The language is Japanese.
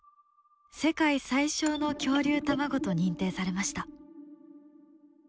世界最小の恐竜卵と認定されました。